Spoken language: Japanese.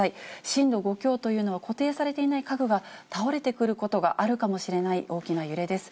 震度５強というのは、固定されていない家具が倒れてくることがあるかもしれない大きな揺れです。